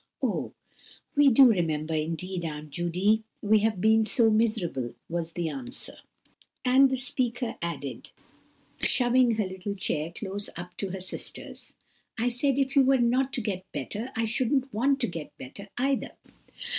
"Oh, we do remember, indeed, Aunt Judy; we have been so miserable," was the answer; and the speaker added, shoving her little chair close up to her sister's:— "I said if you were not to get better, I shouldn't want to get better either."